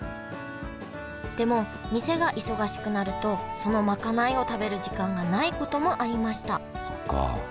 でも店が忙しくなるとその賄いを食べる時間がないこともありました